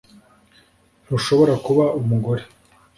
Ntushobora kuba umugore